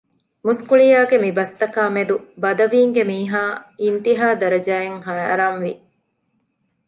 މުސްކުޅިޔާގެ މި ބަސްތަކާއި މެދު ބަދަވީންގެ މީހާ އިންތީހާ ދަރަޖައަށް ހައިރާންވި